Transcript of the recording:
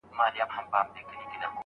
له شپانه سره یې وړي د شپېلیو جنازې دي